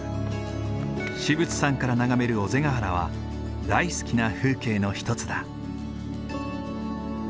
至仏山から眺める尾瀬ヶ原は大好きな風景の一つだ。